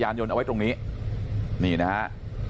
ครับคุณสาวทราบไหมครับ